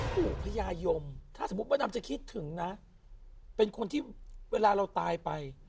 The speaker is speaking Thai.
ปู่พญายมถ้าสมมุติว่าดำจะคิดถึงนะเป็นคนที่เวลาเราตายไป